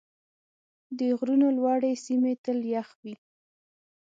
د غرونو لوړې سیمې تل یخ وي.